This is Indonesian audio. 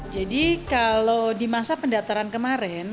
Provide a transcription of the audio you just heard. jadi kalau di masa pendataran kemarin